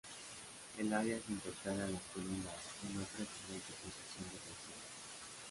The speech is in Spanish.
El área se intercalan las colinas, en otra excelente posición defensiva.